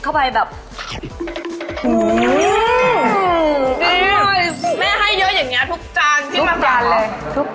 คุณป้าอายุเท่าไหร์คะ